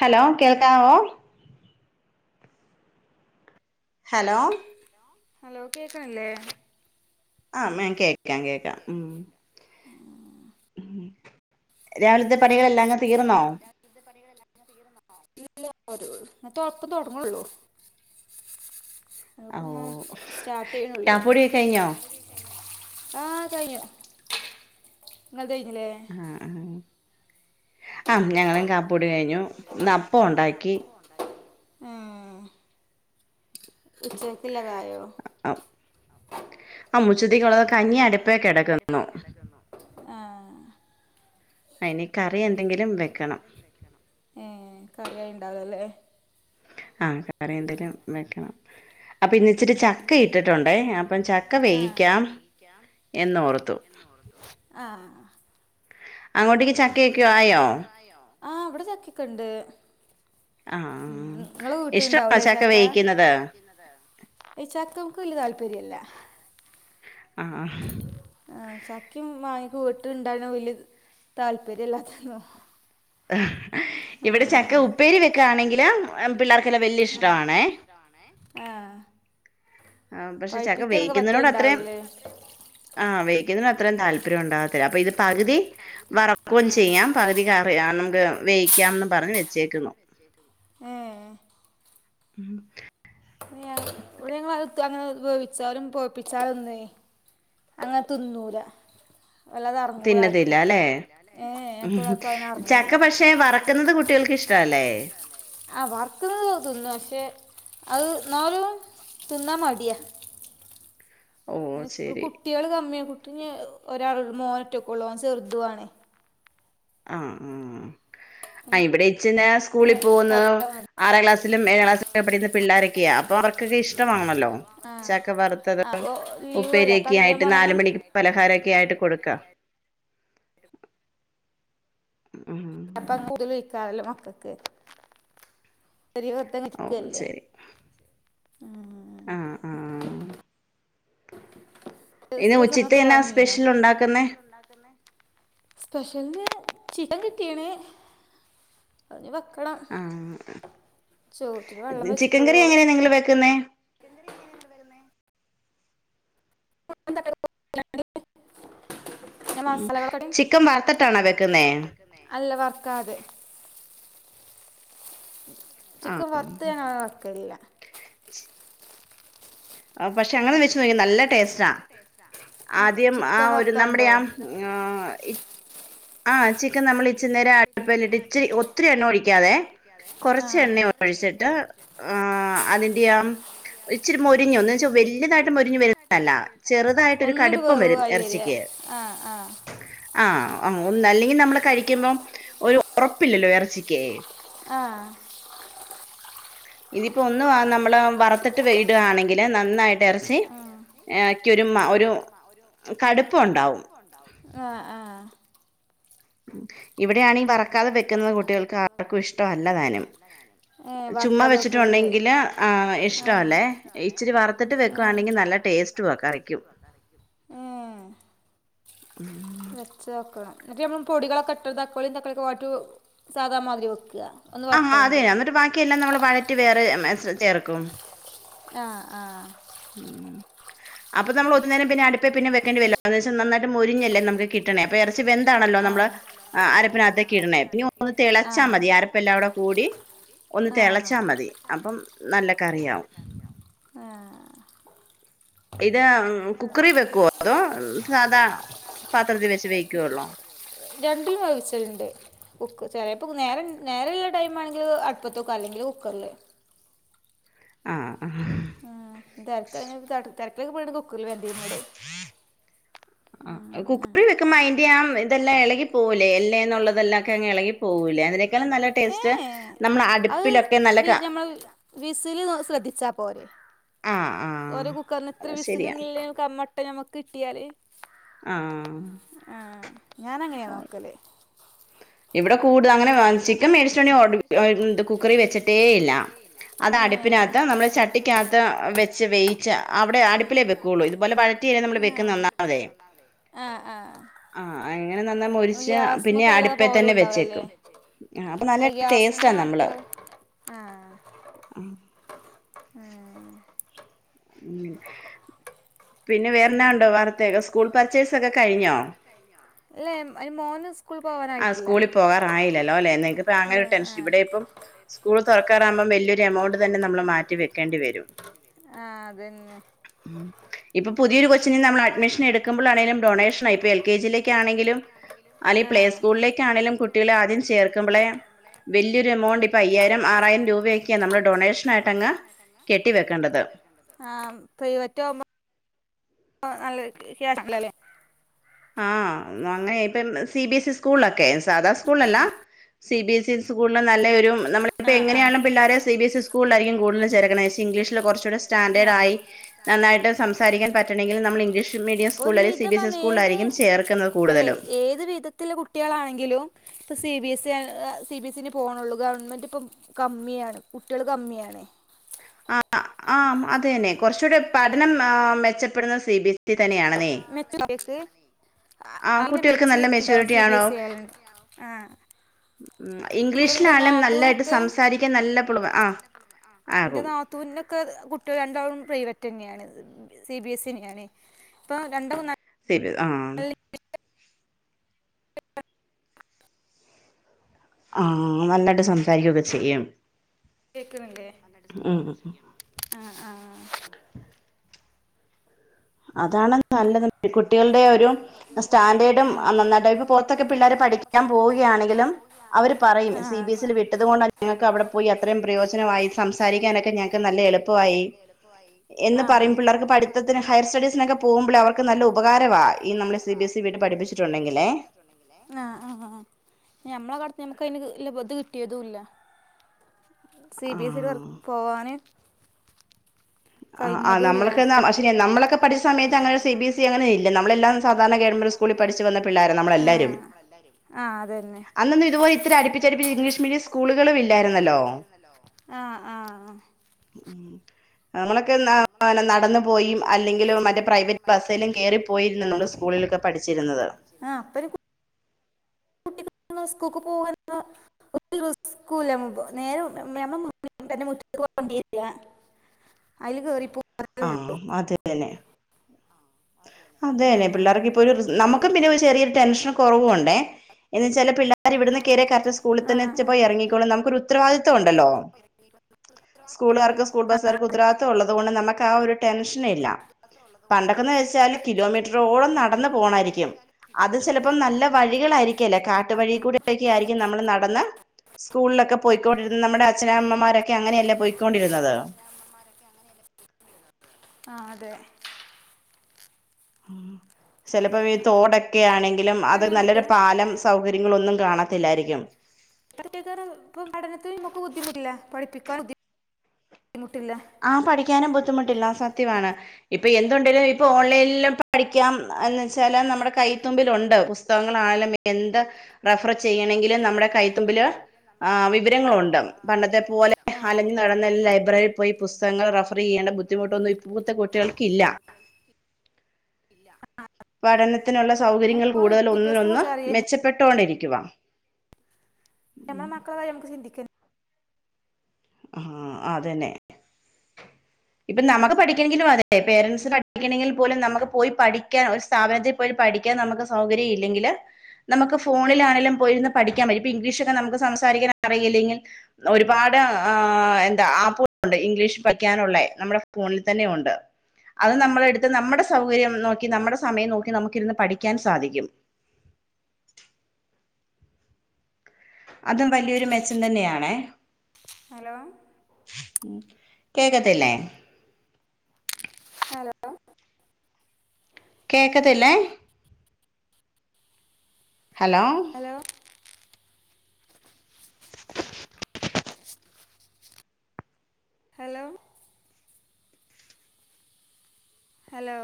Hello കേൾക്കാവോ? Hello hello, hello കേക്കാനില്ലേ ആഹ് കേക്കാം കേക്കാം. ഉം ഉം രാവിലത്തെ പണികളെല്ലാം അങ്ങ് തീർന്നോ? ഇന്നത്തെ പണികളെല്ലാം അങ്ങ് തീർന്നോ, ഇല്ല ഞാൻ തൊടപ്പ് തുടങ്ങണേയുള്ളൂ. ചിലപ്പോ നിങ്ങൾ സ്റ്റാർട്ട് ചെയ്യനുള്ളിലായി ഞാൻ പോയി. ആഹ് കഴിഞ്ഞു, നിങ്ങടെ കഴിഞ്ഞില്ലേ? ആഹ് ആഹ് ആഹ് ഞങ്ങളും കാപ്പി കുടി കഴിഞ്ഞു, ഇന്ന് അപ്പം ഉണ്ടാക്കി. ആരോ ഉം ഉച്ചയ്ക്കുള്ളത് ആയോ? ആഹ് ആഹ് ഉച്ചയ്ക്കത്തേക്കുള്ളത് കഞ്ഞി അടുപ്പേൽ കിടക്കുന്നു. ആഹ് അയിന് കറി എന്തെങ്കിലും വെക്കണം. ആഹ്, കറി ഉണ്ടാവുല്ലേ? ആഹ് കറി എന്തേലും വെക്കണം. ഉം അപ്പൊ ഇന്ന് ഇച്ചിരി ചക്ക ഇട്ടിട്ടുണ്ടെ അപ്പൊ ആഹ് ചക്ക വേവിക്കാം. എന്നോർത്തു ആഹ്. അങ്ങോട്ട് അങ്ങോട്ടൊക്കെ ചക്കയൊക്കെ ആയോ, ആഹ് ഇവിടെ ചക്കയൊക്കെ ഉണ്ട്. ഉം നിങ്ങള് വീട്ടിൽ ഇണ്ടാവുല്ലേ ചക്ക, ചക്ക വേവിക്കുന്നത്. ഈ ചക്കക്ക് വലിയ താല്പര്യയില്ല. ആഹ് ആഹ് ചക്കയും വാഴക്കായും വീട്ടിൽ ഉണ്ടായതോ വല്ല്യ താല്പര്യല്ലാത്ത എന്ന്. ഇവിടെ ചക്ക ഉപ്പേരി വെക്കുകയാണെങ്കിൽ പിള്ളേർക്കെല്ലാം വലിയ ഇഷ്ടവാണ്. ഇഷ്ടവാണ്, ആഹ്. ആഹ് പക്ഷെ ചക്ക വേവിക്കുന്നതിനോട് അത്രയും. ആഹ് വേവിക്കുന്നതിന് അത്രയും താല്പര്യം ഉണ്ടാകത്തില്ല, അപ്പൊ ഇത് പകുതി വറക്കുകയും ചെയ്യാം. പകുതി കറിയാ നമുക്ക് വേവിക്കാം പറഞ്ഞ് വെച്ചേക്കുന്നു. ഉം ഇവിടെ ഞങ്ങള് അത് അങ്ങനെ വേവിച്ചാലും [unintelligible] അങ്ങനെ തിന്നൂല്ല അല്ലാതെ ഇറങ്ങൂല ആർക്കും ഏ [unintelligible] ഇറങ്ങൂല്ല പക്ഷെ വറക്കുന്നത് കുട്ടികൾക്ക് ഇഷ്ടവല്ലേ ആഹ് വറക്കുന്നത് തിന്നും പക്ഷെ അത് എന്നാലും തിന്നാൻ മടിയാ ആഹ് ഇവിടെ കുട്ടികള് കമ്മിയാ കുട്ടി ഒരാൾ മോനൊറ്റൊക്കേ ഉളളൂ അവൻ ചെറുതുവാണേ ആഹ് ആഹ് ആ ഇവിടെ ഇച്ചിരി നേരം സ്കൂളിൽ പോകുന്ന ആറാം ക്ലാസിലും ഏഴാം ക്ലാസ്സിലൊക്കെ പഠിക്കുന്ന പിള്ളാരൊക്കെയാ അപ്പൊ അവർക്കൊക്കെ ഇഷ്ടമാണല്ലോ ചക്ക വറുത്തതും ഉപ്പേരിയൊക്കെ ആയിട്ട് നാലുമണിക്ക് പലഹാരവൊക്കെ ആയിട്ട് കൊടുക്കാം ഉം പ്പ കൂടുതൽ വിക്കാവല്ലോ മക്കൾക്ക് [unintelligible] ഉം ആഹ് ആഹ് [unintelligible] ഒക്കെ വാങ്ങിയോ എന്നാ സ്പെഷ്യൽ ഉണ്ടാക്കുന്നേ സ്പെഷ്യലിന് ചിക്കൻ കിട്ടിയേക്കണ് കഞ്ഞി വെക്കണം ചോറ്റിന് വെള്ളം വെച്ചിട്ടുള്ളൂ ഇങ്ങള് വെക്കുന്നേ [unintelligible] പിന്നേ മസാലകൾ കൂടി ചിക്കൻ വരുത്തിട്ടാണോ വെ ക്കുന്നേ അല്ല വറക്കാതെ ചിക്കൻ വർത്ത് ഞാൻ അങ്ങനെ വെക്കലില്ല പക്ഷെ അങ്ങനെ വെച്ച് നോക്കിക്കേ നല്ല ടേസ്റ്റാ ആദ്യം ആ ഒരു നമ്മടെ ആ ആഹ് ഇ ആഹ് ചിക്കൻ നമ്മള് ഇ ച്ചിരി നേരം അടുപ്പേലിട്ട് ഇച്ചിരി ഒത്തിരി എണ്ണ ഒഴിക്കാതെ കുറച്ച് എണ്ണ ഒഴിച്ചിട്ട് ആ അതിന്റെ ആ ഇച്ചിരി മൊരിഞ്ഞ് എന്ന് വെച്ചാ വല്ല്യതായിട്ട് മൊരിഞ്ഞ് വരുന്നതല്ല ചെറുതായിട്ടൊരു കടുപ്പം വരും എറച്ചിക്ക് ആഹ് ആഹ് ആഹ് ആ ഒന്ന് അല്ലെങ്കിൽ നമ്മള് കഴിക്കുമ്പം ഒരു ഒറപ്പില്ലല്ലോ എറച്ചിക്കേ ആഹ് ഇതിപ്പോ ഒന്ന് നമ്മള് വറുത്തിട്ട് വേ വറുത്തിട്ട് ഇടുവാണെങ്കിൽ ആഹ് നന്നായിട്ട് ഇറച്ചിക്കൊരു ഒരു കടു പ്പം ഉണ്ടാവും ആഹ് ആഹ് ഉം ഇവിടെയാണെ ഇവിടെയാണെങ്കിൽ വറക്കാതെ വെക്കുന്നത് കുട്ടികൾക്ക് ആർക്കും ഇഷ്ടവല്ല താനും ആ വറക്കാതെ വെക്കണത് ങ്കില് ആഹ് ഇഷ്ടവല്ലേ ആഹ് വെക്കുവാണെങ്കില് നല്ല ടേസ്റ്റുവാ കറിക്കും ഉം വച്ച് വെക്കണം എന്നിട്ട് നമ്മള് പൊടികളൊക്കെ ഇട്ട് തക്കാളിയും തക്കാളിയിട്ട് വാട്ടി സാധാ മാതിരി വെക്കുക ആഹ് അതെ അന്നിട്ട് ബാക്കിയെല്ലാം നമ്മള് വഴറ്റി വേറെ ചേർക്കും ആഹ് ആഹ് അപ്പ നമ്മള് ഒരു നേരം പിന്നെ അടുപ്പേ പിന്നെ വെക്കേണ്ടി വരില്ല ഏകദേശം നന്നായിട്ട് മൊരിഞ്ഞല്ലേ നമക്ക് കി ട്ടണെ അപ്പൊ എറച്ചി വെന്താണല്ലോ നമ്മള് അരപ്പിനകത്തേക്ക് ഇടണേ പിന്നെ ഒന്ന് തെളച്ചാൽ മതി അര പ്പെല്ലാടെ കൂടി ഒന്ന് തെളച്ചാ മതി അപ്പം നല്ല കറിയാവും ആഹ് ഇത് [unintelligible] വെക്കുവോ അതോ സാധാ [unintelligible] രണ്ടിലും അവിച്ചല്ണ്ട് ഉക്ക്‌ ചെലേപ്പൊ നേരം നേരള്ള ടൈംമാണെങ്കിൽ അടുപ്പത്ത് വെക്കും അല്ലെങ്കില് കുക്കറില് ആഹ് ആഹ് ആഹ് തെരക്കാ തെരക്കിലൊക്കെ പോയിണ്ട് കുക്കറിൽ വെന്തേന് അത് ആഹ് കുക്കറി വെക്ക്മ്പോ അയിന്റെയാ ഇതെല്ലാം എളകി പോവലേ എല്ലേന്നുള്ളതെല്ലാംക്കെ അങ്ങ് എളകി പോവൂലേ അതിനേക്കാളും നല്ല ടേസ്റ്റ് നമ്മള് അടുപ്പിലൊക്കെ നല്ല ക വിസ്സില് ശ്രദ്ധിച്ചാ പോരെ ഒരു കുക്കറിനിത്ര വിസൽന്നില്ലേ ക്കമ്മട്ട നമ്മക്ക് കിട്ടിയാല് ആഹ് ഞാനങ്ങനെയാ നോക്കല് ഇവിടെ കൂടു അങ്ങനെ വാങ്ങ് ചിക്കൻ മേടിച്ചൊണ്ടേ ഓട് കുക്കറി വെച്ചിട്ടേ ഇല്ല അത് അടുപ്പിനാത്തോ നമ്മള് ചട്ടിക്കകത്തോ വെച്ച് വേയ് ച്ചാ അവിടെ അടുപ്പിലേ വെക്ക്‌വൊള്ളൂ ഇതുപോലെ വഴറ്റിയല്ലെ നമ്മള് വെക്കുന്ന ഒന്നാമതേ ആഹ് ആഹ് ആഹ് അങ്ങനെ നന്നാ മൊരിച്ചാ പിന്നെ അടുപ്പേ തന്നെ വെച്ചേക്കും ആഹ് അപ്പ നല്ല ടേസ്റ്റാ നമ്മള് ആഹ് ആഹ് ഉം പിന്നെ വേറെന്നാ ഒണ്ട് വാർത്തക്കെ സ്കൂൾ പർച്ചേസൊക്കെ കഴിഞ്ഞോ കഴിഞ്ഞോ ഇല്ല അയിന് മോന് സ് ആഹ് സ്കൂളി പോകാറായില്ലല്ലോ അല്ലെ എന്നെക്കിപ്പൊ അങ്ങനൊരു ടെൻഷ് ഇവിടെ ഇപ്പം സ്കൂള് തൊറക്കാറാകുമ്പോം വെല്യൊരു എമൗണ്ട് തന്നെ നമ്മള് മാറ്റി വെക്കേണ്ടി വെരും ആഹ് അതന്നെ ഇപ്പം പുതിയൊരു കൊച്ചിന് നമ്മൾ അഡ്മിഷൻ എടുക്കുമ്പളാണേലും ഡൊണേഷനാ ഇപ്പൊ എൽ കെ ജിലേക്കാണെങ്കിലും അല്ലീ പ്ലേസ് സ്കൂളിലേക്കാണേലും കുട്ടികളെ ആദ്യം ചേർക്കുമ്പളേ വെല്യൊരു എമൗണ്ട് ഇപ്പം അയ്യായിരം ആറായിരം രൂപയെ ക്ക്യാ നമ്മള് ഡൊണേഷനായിട്ടങ്ങ് കെട്ട് കെട്ടിവെക്കണ്ടല്ലോ ആഹ് പ്രൈവറ്റാകുമ്പോ ഇപ്പൊ നല്ലൊര് ഫീ ആരിക്കുവല്ലോ അല്ലേ ആഹ് അങ്ങനെ ഇപ്പം സിബിഎസ്ഇ സ്കൂള്ലക്കെ സാദാ സ്കൂള്ലല്ലാ സിബിഎസ്ഇ സ്കൂളിലെ നല്ലെയൊ രു നമ്മളിപ്പെങ്ങനെയാണേലും പിള്ളേരെ സിബിഎസ്ഇ സ്കൂളിലാരിക്കും കൂടുതലും ചേർക്കുന്നെ ഇംഗ്ലീഷില് കൊറച്ചൂടെ സ്റ്റാൻഡേർഡായി നന്നായിട്ട് സംസാരിക്കാൻ പറ്റണെങ്കി നമ്മള് ഇംഗ്ലീഷ് മീഡിയം സ്കൂള് അല്ലേ സിബിഎസ്ഇ സ്കൂളിലാ ആരിക്കും ചേർക്ക്‌ന്നത് കൂടുതലും ഏത് വിധത്തില് കുട്ടികളാണെങ്കിലും ഇപ്പ സിബിഎസ്ഇ ഏഹ് സിബിഎസ്ഇ ന്നെ പോണുള്ളൂ ഗവൺ എന്നിട്ടിപ്പം കമ്മിയാണ് കുട്ടികള് കമ്മിയാണെ ആഹ് ആം അതന്നെ കൊറച്ചൂടെ പഠനം ആഹ് മെച്ചപ്പെടുക സിബിഎസ് ഇ തന്നെയാണെന്നേ സിബിഎസ്ഇ ആഹ് അയ്ന്റെ മെച്ചൂരിറ്റി ഉണ്ടാവും സിബിഎസ്ഇ ആയാല് ആഹ് ഉം ഇംഗ്ലീഷിലാണേലും നല്ലായിട്ട് സംസാരിക്കാൻ നല്ല പ്ലൂവ ആഹ് ആഹ് എൻ്റെ നാത്തൂന്റൊക്കെ കുട്ടികള് രണ്ടാളും പ്രൈവറ്റ് തന്നെയാണ് സിബിഎസ്ഇ തന്നെയാണേ ഇപ്പോ രണ്ട്മൊന്നായ് സിബി ആഹ് ആഹ് നല്ലായിട്ട് സംസാരിക്കുകയൊക്കെ ചെയ്യും കേക്കണില്ലേ നന്നായിട്ട് സംസാരിക്കൊക്കെ ചെയ്യും ആഹ് ആഹ് അതാണ് നല്ലതും കുട്ടികളുടെ ഒരു സ്റ്റാൻഡേർഡും ആഹ് നന്നായിട്ട് ഇപ്പ പൊറത്തൊക്കെ പിള്ളേര് പഠിക്കാൻ പോവുകയാണെങ്കിലും അവര് പറയും സി ബി എസ് ഈല് വിട്ടത് കൊണ്ടാണ് ഞങ്ങക്ക് അവിടെ പോയി അത്രയും പ്രയോജനമായി സംസാരിക്കാനൊക്കെ ഞങ്ങൾക്ക് നല്ല എളുപ്പ പ്പൊവായി എന്ന് പറയും പിള്ളേർക്ക് പഠിത്തത്തിന് ഹയർ സ്റ്റഡീസിനൊക്കെ പോകുമ്പളെ അവർക്ക് നല്ല ഉപകാരവാ നമ്മള് ഈ സി ബി എസ് ഈല് വിട്ട് പഠിപ്പിച്ചിട്ടുണ്ടെങ്കിലേ ആഹ് ആഹ് ഞമ്മളെ കടത്ത് ഞമ്മക്ക് അയിന് ക് ഇള്ള ഇത് കിട്ടിയതും ഇല്ലാ സി ബി എസ് ഈല് വർ പോവാന് കഴിഞ്ഞതൂല്ലാ ആഹ് നമ്മളൊക്കെ [unintelligible] നമ്മളൊക്കെ പഠിച്ച സമയത്ത് അങ്ങനെ സി ബി എസ് ഇ അങ്ങനെ ഇല്ല നമ്മളെല്ലാം സാധാ പല ഗവൺമെൻ്റ് സ്‌കൂള് പഠിച്ച് ആഹ് ആഹ് അതന്നെ അന്നേരം ഇതു പോലെ അടുപ്പിച്ചടുപ്പിച്ച് ഇംഗ്ലീഷ് മീഡിയം സ്കൂളുകളും ഇല്ലായിരുന്നല്ലോ ആഹ് ആഹ് ആഹ് ഉം ആഹ് നമ്മളൊക്കെ [unintelligible] നടന്നു പോയും അല്ലെങ്കിലും മറ്റേ പ്രൈവറ്റ് ബസ്സേലും കേറിപ്പോയി സ്കൂളിലൊക്കെ പഠിച്ച് ച്ചിരുന്നത് ആഹ് അപ്പൊരു കുട്ട് കുട്ടി സ്കൂൾക്ക് [unintelligible] [unintelligible] മുമ്പ് നേരെ [unintelligible] മുറ്റത്ത് വണ്ടി വെരാ അയില് കേറിപ്പോവും ആഹ് അതെന്നെ അതെന്നെ പിള്ളേർക്കിപ് ഒരു റിസ് നമ്മക്കും പിന്നെ ഒരു ചെറിയൊരു ടെൻഷനും കൊറവുണ്ടേ എന്താന്ന് വെച്ചാ പിള്ളാര് ഇവിടുന്ന് കയറി കറക്റ്റ് സ്കൂളിൽ തന്നെ പോയി എറങ്ങിക്കോളും നമ്മക്കൊരു ഉത്തരവാദിത്തം ഉണ്ടല്ലോ സ്കൂളുകാർക്കും സ്കൂൾ ബസ്സുകാർക്കും ഉത്തരദവാദിത്തം ഒള്ളത് കൊണ്ട് നമ്മക്ക് ആ ഒരു ടെൻഷനില്ലാ പണ്ടൊക്കെന്ന് വിചാരിച്ചാല് കിലോമീറ്ററോളം നടന്നു പോണായിരിക്കും അത് ചെലപ്പം നല്ല വഴികളായിരിക്കേല്ലാ കാട്ട് വഴീക്കൂടെയെക്കെ ആയിരിക്കും നമ്മള് നടന്ന് സ്കൂളിലൊക്കെ പൊയിക്കൊണ്ടിരുന്ന നമ്മടെ അച്ഛനമ്മമാരൊക്കെ അങ്ങനെയല്ലേ പൊയിക്കോണ്ടിരുന്നത് അമ്മമാരൊക്കെ അങ്ങനെയല്ലേ ആഹ് അതെ ഉം ചെലപ്പോ ഈ തോടൊക്കെ ആണെങ്കിലും അത് നല്ലൊരു പാലം സൗകര്യങ്ങളൊന്നും കാണത്തില്ലായിരിക്കും [unintelligible] ഇപ്പ പഠനത്തിന് നമ്മക്ക് ബുദ്ധിമുട്ടില്ലാ പഠിപ്പിക്കാൻ ബദ്ധിമുട്ടില്ലാ ആഹ് പഠിക്കാനും ബുദ്ധിമുട്ടില്ലാ സത്യവാണ് ഇപ്പൊ എന്തുണ്ടെങ്കിലും ഇപ്പൊ ഓൺലൈനിലും പഠിക്കാം എന്ന് വെച്ചാല് നമ്മടെ കൈത്തുമ്പിലൊണ്ട് പുസ്തകങ്ങളണെലും [unintelligible] എന്ത് റഫർ ചെയ്യണെങ്കി ല് നമ്മടെ കൈത്തുമ്പില് ആഹ് വിവരങ്ങളൊണ്ട് പണ്ടത്തെ പോലെ അലഞ്ഞു നടന്ന് എല്ലാം ലൈബ്രറി പോയി ബുസ്തകങ്ങൾ റഫർ ചെയ്യേണ്ട ബുദ്ധിമുട്ടൊന്നും ഇപ്പോത്തെ കുട്ടികൾക്കില്ലാ [unintelligible] ഇല്ലാ [unintelligible] പഠനത്തിനുള്ള സൗകര്യങ്ങൾ കൂടുതൽ ഒന്നിനൊന്ന് മെച്ചപ്പെട്ടോണ്ടിരിക്കുവാ ഞമ്മളെ മക്കളെ കാര്യം ഞമ്മക്ക് ചിന്തിക്കന്നെ ആഹ് അതന്നെ ഇപ്പം നമ്മക്ക് പഠിക്കണെങ്കിലും അതെ പേരൻ്റ്സ് പഠിക്കണെങ്കിൽ പോലും നമ്മക്ക് പോയി പഠിക്കാ സ്ഥാപനത്തിൽ പോയി പഠിക്കാൻ നമ്മക്ക് സൗകര്യം ഇല്ലെങ്കില് നമ്മക്ക് ഫോണിലാണെങ്കിലും പോയിര്ന്ന് പഠിക്കാൻ പറ്റും ഇപ്പോ ഇംഗ്ലീഷൊക്കെ നമ്മക്ക് സംസാരിക്കൻ അറിയില്ലെങ്കിൽ ഒരുപാട് ആ് എന്താ ആപ്പൂണ്ട് ഇംഗ്ലീഷിൽ പഠക്കാനുള്ള നമ്മുടെ ഫോണിൽ തന്നെയ ഉണ്ട് അത് നമ്മളെടുത്ത് നമ്മുടെ സൗകര്യം നോക്കി നമ്മുടെ സമയം നോക്കി നമുക്കിരുന്ന് പഠിക്കാൻ സാധിക്കും അതും വലിയൊരു മെച്ചം തന്നെയാണേ ഹലോ കേക്കത്തില്ലേ ഹലോ കേക്കതില്ലേ ഹലോ ഹലോ ഹലോ ഹലോ